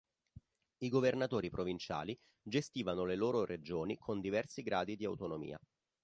I governatori provinciali gestivano le loro regioni con diversi gradi di autonomia.